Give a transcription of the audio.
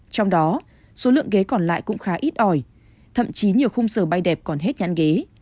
trong đó số lượng ghế còn lại cũng khá ít ỏi thậm chí nhiều khung giờ bay đẹp còn hết nhãn ghế